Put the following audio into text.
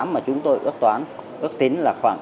mà chúng tôi ước tính là khoảng ba sáu